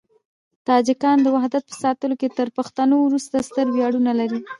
تاجکان د وحدت په ساتلو کې تر پښتنو وروسته ستر ویاړونه لري.